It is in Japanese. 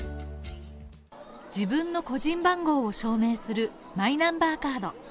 自分の個人番号を証明するマイナンバーカード。